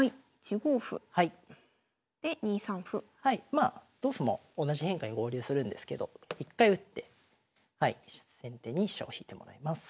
まあ同歩も同じ変化に合流するんですけど一回打って先手に飛車を引いてもらいます。